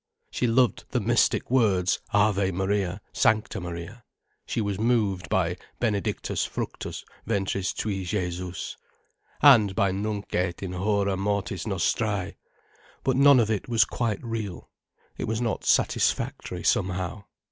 She loved the mystic words, "Ave Maria, Sancta Maria;" she was moved by "benedictus fructus ventris tui Jesus," and by "nunc et in hora mortis nostrae." But none of it was quite real. It was not satisfactory, somehow.